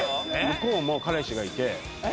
向こうも彼氏がいて。